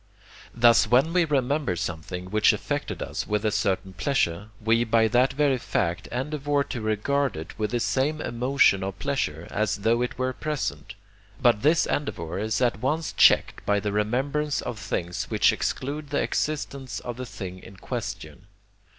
Thus when we remember something which affected us with a certain pleasure, we by that very fact endeavour to regard it with the same emotion of pleasure as though it were present, but this endeavour is at once checked by the remembrance of things which exclude the existence of the thing in question.